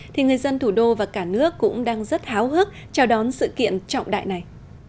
thì người dân thủ đô và cả nước cũng đang rất háo hức chào đón sự kiện trọng đại này